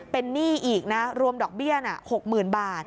เป็นหนี้อีกนะรวมดอกเบี้ย๖๐๐๐บาท